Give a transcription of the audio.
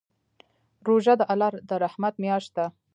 روژه د الله د رحمت میاشت ده.